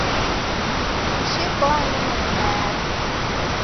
Mshiko wanona nyumba yake.